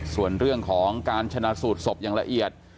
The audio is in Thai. ส่วนเรื่องของการชนะสูตรศพอย่างละเอียด